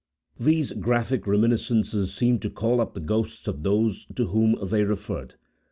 These graphic reminiscences seemed to call up the ghosts of those to whom they referred.